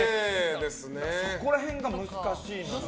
そこら辺が難しいですね。